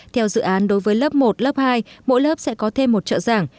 theo dự án đối với lớp một lớp hai mỗi lớp sẽ có thêm một trợ giảng